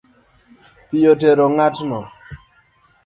Pi otero ng’atno